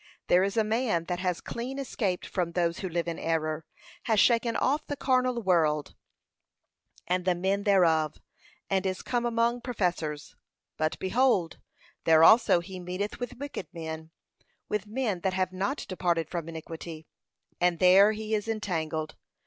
There is a man that has clean escaped from those who live in error, has shaken off the carnal world and the men thereof, and is come among professors; but, behold, there also he meeteth with wicked men, with men that have not departed from iniquity; and there he is entangled.